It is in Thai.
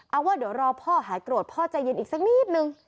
เอาว่าเดี๋ยวรอพ่อหายโกรธพ่อใจเย็นอีกสักนิดนึง